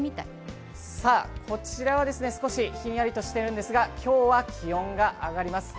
こちらは少しひんやりとしているんですが今日は気温が上がります。